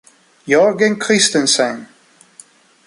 Jørgen Christensen